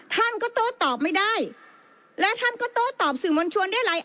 ท่านก็โต้ตอบไม่ได้และท่านก็โต้ตอบสื่อมวลชนได้หลาย